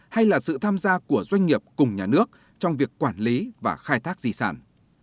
hay là sự tham gia của doanh nghiệp cùng nhà nước trong việc quản lý và khai thác di sản